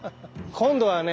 今度はね